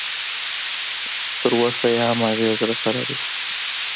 چې تراوسه یې هم اغېز راسره دی.